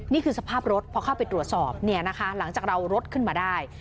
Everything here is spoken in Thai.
นี่คือสภาพรถพอเข้าไปตรวจสอบเนี่ยนะคะหลังจากเรารถขึ้นมาได้